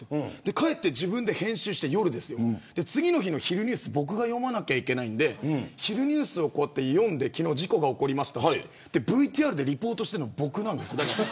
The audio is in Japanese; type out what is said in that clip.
帰って夜に自分で編集して次の昼のニュース僕が読むので昼のニュースを読んで昨日、事故が起こりましたＶＴＲでリポートしてるの僕なんです。